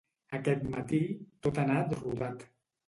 Aquest matí tot ha anat rodat